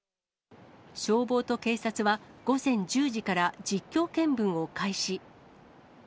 消防と警察は、午前１０時から実況見分を開始。